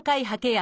や